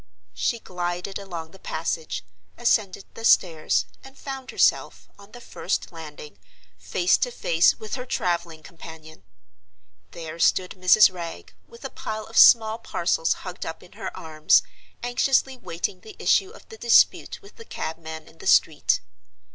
She glided along the passage, ascended the stairs, and found herself, on the first landing, face to face with her traveling companion! There stood Mrs. Wragge, with a pile of small parcels hugged up in her arms, anxiously waiting the issue of the dispute with the cabman in the street.